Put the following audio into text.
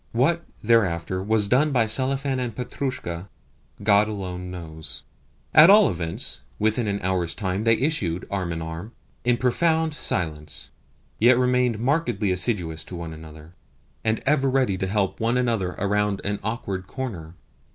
What thereafter was done by Selifan and Petrushka God alone knows. At all events, within an hour's time they issued, arm in arm, and in profound silence, yet remaining markedly assiduous to one another, and ever ready to help one another around an awkward corner.